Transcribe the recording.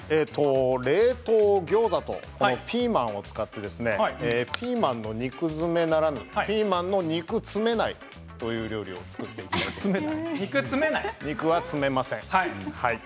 冷凍ギョーザとピーマンを使ってピーマンの肉詰めならぬピーマンの肉詰めないという料理を作っていこうと思います。